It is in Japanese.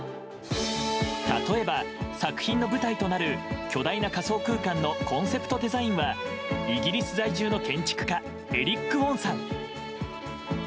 例えば、作品の舞台となる巨大な仮想空間のコンセプトデザインはイギリス在住の建築家エリック・ウォンさん。